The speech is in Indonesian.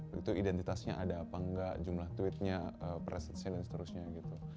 begitu identitasnya ada apa enggak jumlah tweetnya presence nya dan seterusnya gitu